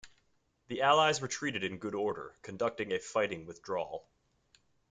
The allies retreated in good order, conducting a fighting withdrawal.